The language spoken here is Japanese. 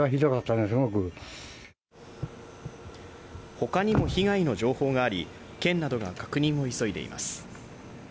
他にも被害の情報があり、県などが確認を急いでいます。